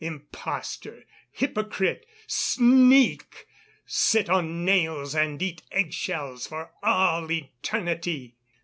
Impostor, hypocrite, sneak, sit on nails and eat egg shells for all eternity!"